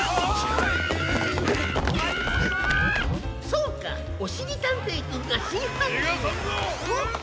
そうかおしりたんていくんがしんはんにんを。